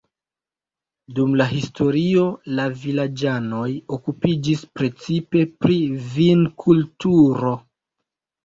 Dum la historio la vilaĝanoj okupiĝis precipe pri vinkulturo.